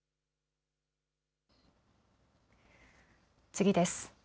次です。